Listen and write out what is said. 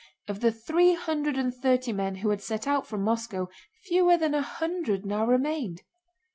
Of the three hundred and thirty men who had set out from Moscow fewer than a hundred now remained.